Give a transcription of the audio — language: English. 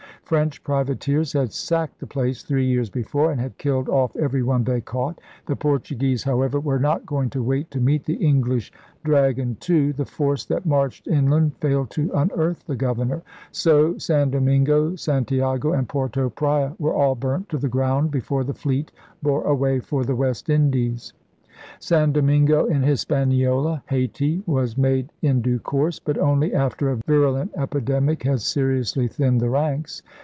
French privateers had sacked the place three years before and had killed off everyone they caught; the Portuguese, however, were not going to wait to meet the English 'Dra gon' too. The force that marched inland failed to unearth the governor. So San Domingo, San tiago, and Porto Praya were all burnt to the ground before the fleet bore away for the West Indies. San Domingo in Hispaniola (Hayti) was made in due course, but only after a virulent epidemic had seriously thinned the ranks.